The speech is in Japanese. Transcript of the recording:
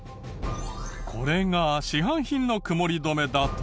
これが市販品の曇り止めだと。